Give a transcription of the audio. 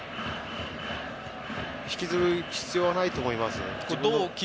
引きずる必要はないと思います。